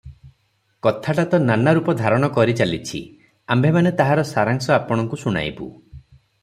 କଥାଟା ତ ନାନା ରୂପ ଧାରଣ କରି ଚାଲିଛି, ଆମ୍ଭେମାନେ ତାହାର ସାରାଂଶ ଆପଣଙ୍କୁ ଶୁଣାଇବୁ ।